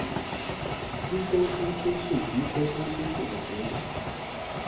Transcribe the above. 珠光香青是菊科香青属的植物。